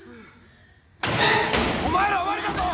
お前ら終わりだぞ！